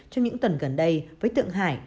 trong những tuần gần đây với tượng hải